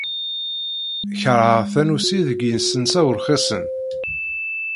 Keṛheɣ tanusi deg yisensa urxisen.